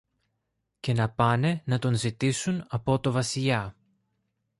και να πάνε να τον ζητήσουν από το Βασιλιά.